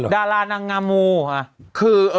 ดารานางงามู